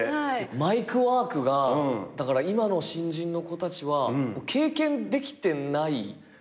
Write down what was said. マイクワークがだから今の新人の子たちは経験できてないですよね。